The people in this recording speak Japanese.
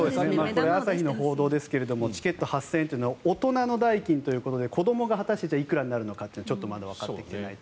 朝日の報道ですがチケット８０００円は大人の代金ということで子どもが果たしていくらになるかはちょっとまだわかってきてないと。